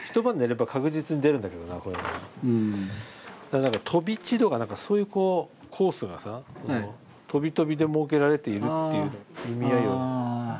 だから「飛び地」とか何かそういうこうコースがさこうとびとびで設けられているっていう意味合いを出せればさ。